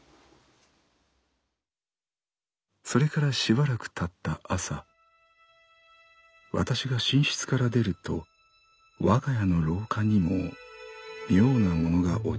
「それからしばらく経った朝わたしが寝室から出ると我が家の廊下にも妙なものが落ちていた。